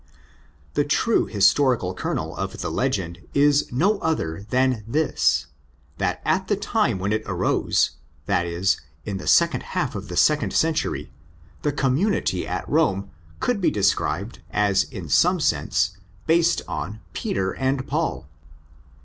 The true historical kernel of the legend is no other than this, that at the time when it arose—that is, in the second half of the second century—the community at Rome could be described as in some sense based on ''Peter and Paul."